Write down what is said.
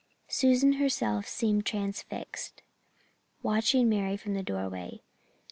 Susan herself seemed transfixed, watching Mary from the doorway.